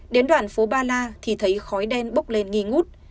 đến đoạn phố ba la thì thấy khói đen bốc lên nghi ngút